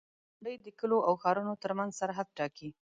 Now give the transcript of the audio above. • غونډۍ د کليو او ښارونو ترمنځ سرحد ټاکي.